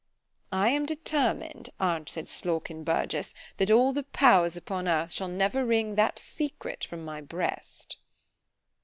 I am determined, answered Slawkenbergius, that all the powers upon earth shall never wring that secret from my breast.